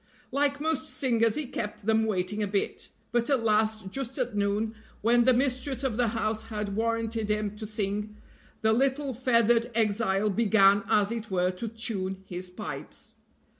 Like most singers, he kept them waiting a bit. But at last, just at noon, when the mistress of the house had warranted him to sing, the little feathered exile began as it were to tune his pipes.